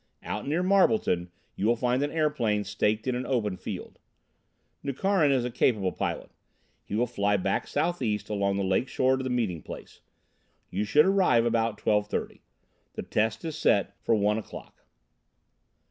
"Out near Marbleton you will find an airplane staked in an open field. Nukharin is a capable pilot. He will fly back southeast along the lakeshore to the meeting place. You should arrive about twelve thirty. The test is set for one o'clock."